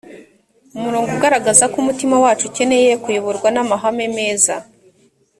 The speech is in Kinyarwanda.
umurongo ugaragaza ko umutima wacu ukeneye kuyoborwa n amahame meza